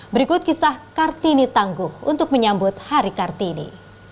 berikut kisah kartini tangguh untuk menyambut hari kartini